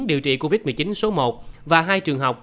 điều trị covid một mươi chín số một và hai trường học